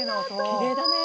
きれいだね。